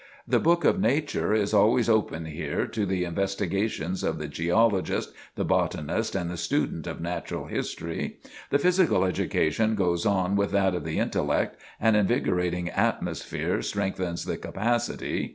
The book of nature is always open here to the investigations of the geologist, the botanist, and the student of natural history.... The physical education goes on with that of the intellect; an invigorating atmosphere strengthens the capacity....